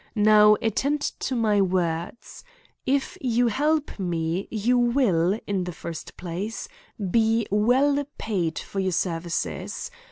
Now, attend to my words. If you help me you will, in the first place, be well paid for your services.